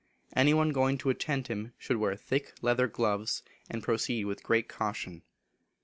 Any one going to attend him should wear thick leather gloves, and proceed with great caution.